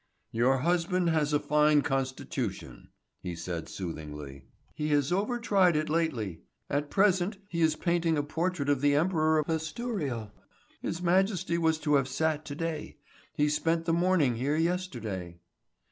"Your husband has a fine constitution," he said soothingly. "He has overtried it lately," Mrs. Fillingham replied. "At present he is painting a portrait of the Emperor of Asturia. His Majesty was to have sat to day; he spent the morning here yesterday."